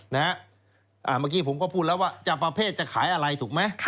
เมื่อกี้ผมก็พูดแล้วว่าจะประเภทจะขายอะไรถูกไหม